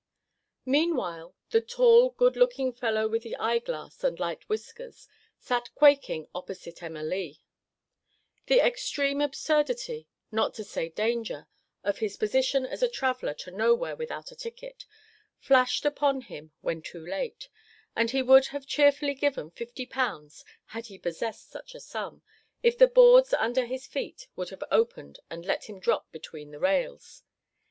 Meanwhile, the "tall good looking fellow with the eyeglass and light whiskers" sat quaking opposite Emma Lee. The extreme absurdity, not to say danger, of his position as a traveller to nowhere without a ticket, flashed upon him when too late, and he would have cheerfully given fifty pounds, had he possessed such a sum, if the boards under his feet would have opened and let him drop between the rails.